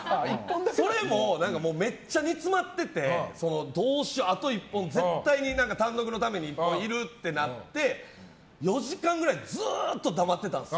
それも、めっちゃに詰まっててどうしよう、あと１本絶対に単独のために１本いるってなって４時間くらいずっと黙ってたんです。